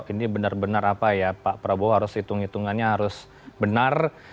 ini benar benar apa ya pak prabowo harus hitung hitungannya harus benar